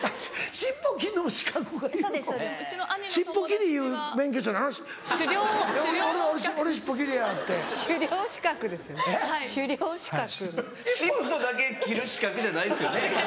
尻尾だけ切る資格じゃないですよね。